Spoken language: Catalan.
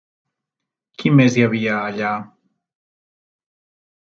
Qui més hi havia, allà?